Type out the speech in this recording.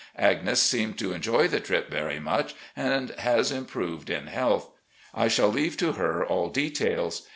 Agnes seemed to enjoy the trip very much, and has improved in health. I shall leave to her all details.